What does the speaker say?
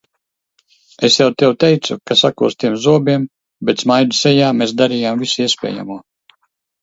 Es jau tev teicu, ka sakostiem zobiem, bet smaidu sejā mēs darījām visu iespējamo.